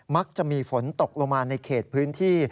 มักจะมีฝนตกลงมาในเขตพื้นที่